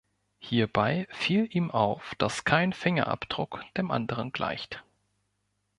Hierbei fiel ihm auf, dass kein Fingerabdruck dem anderen gleicht.